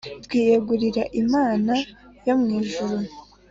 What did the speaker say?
twiyegurira imana yo mu ijuru